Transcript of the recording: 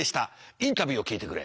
インタビューを聞いてくれ。